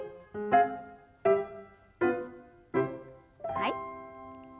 はい。